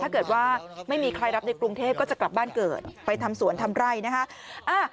ถ้าเกิดว่าไม่มีใครรับในกรุงเทพก็จะกลับบ้านเกิดไปทำสวนทำไร่นะคะ